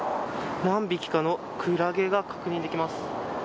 何匹かのクラゲが確認できます。